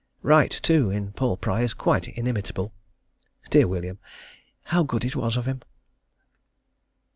Wright, too, in "Paul Pry," is quite inimitable. Dear William, how good it was of him!....